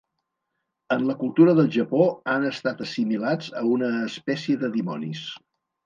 En la cultura del Japó han estat assimilats a una espècie de dimonis.